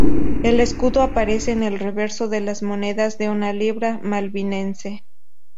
El escudo aparece en el reverso de las monedas de una libra malvinense.